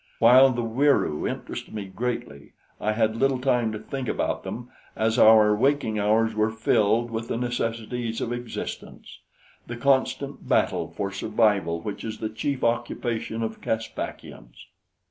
While the Wieroo interested me greatly, I had little time to think about them, as our waking hours were filled with the necessities of existence the constant battle for survival which is the chief occupation of Caspakians.